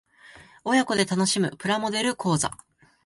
親子で楽しむプラモデル講座